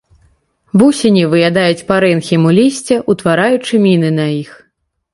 Вусені выядаюць парэнхіму лісця, утвараючы міны на іх.